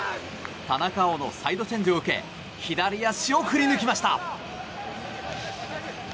田中碧のサイドチェンジを受け左足を振り抜きました！